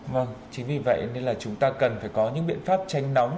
vâng chính vì vậy nên là chúng ta cần phải có những biện pháp tránh nóng